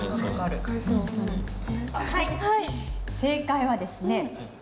はい正解はですね